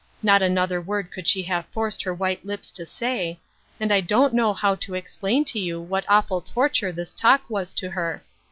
Not another word could she have forced her white lips to say, and I don't know how to explain to you what awful torture this talk was to her.